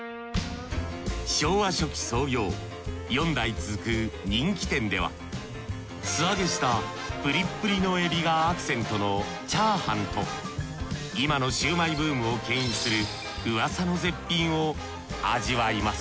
昭和初期創業四代続く人気店では素揚げしたプリプリのえびがアクセントのチャーハンと今のシュウマイブームをけん引するうわさの絶品を味わいます